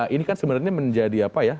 ini kan sebenarnya menjadi apa ya